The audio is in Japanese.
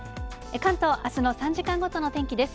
関東、あすの３時間ごとの天気です。